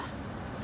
え？